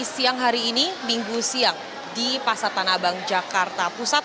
siang hari ini minggu siang di pasar tanah abang jakarta pusat